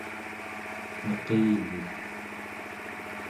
neqivik